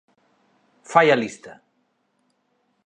Fai a lista!